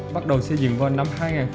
bắt đầu xây dựng vào năm hai nghìn hai mươi